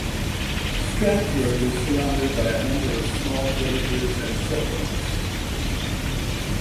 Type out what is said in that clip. Stratford is surrounded by a number of small villages and settlements.